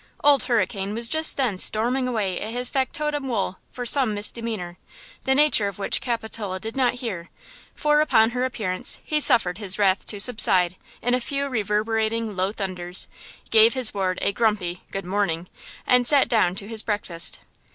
Old Hurricane was just then storming away at his factotum Wool for some misdemeanor, the nature of which Capitola did not hear, for upon her appearance he suffered his wrath to subside in a few reverberating, low thunders, gave his ward a grumphy "Good morning" and sat down to his breakfast.